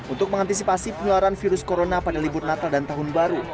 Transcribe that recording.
untuk mengantisipasi penularan virus corona pada libur natal dan tahun baru